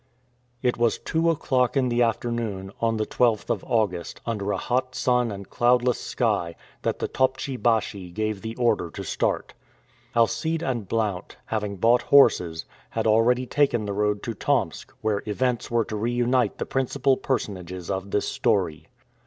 It was two o'clock in the afternoon, on the 12th of August, under a hot sun and cloudless sky, that the toptschi baschi gave the order to start. Alcide and Blount, having bought horses, had already taken the road to Tomsk, where events were to reunite the principal personages of this story.